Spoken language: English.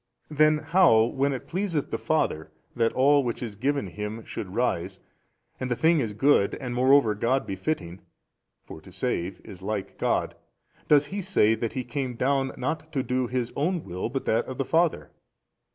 Then how, when it pleaseth the Father that all which is given Him should rise, and the thing is good and moreover God befitting (for to save is like God), does He say that He came down not to do His own will but that of the Father?